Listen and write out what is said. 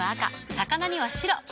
魚には白。